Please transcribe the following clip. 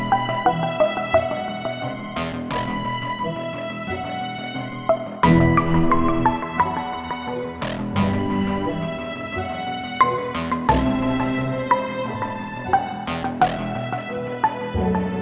baik dak prayers